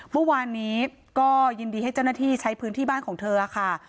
เมื่อวานนี้ก็ยินดีให้เจ้าหน้าที่ใช้พื้นที่บ้านของเธอค่ะ